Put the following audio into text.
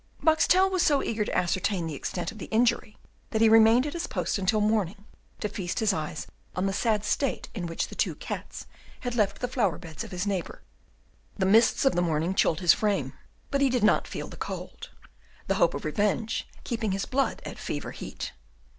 Boxtel was so eager to ascertain the extent of the injury, that he remained at his post until morning to feast his eyes on the sad state in which the two cats had left the flower beds of his neighbour. The mists of the morning chilled his frame, but he did not feel the cold, the hope of revenge keeping his blood at fever heat.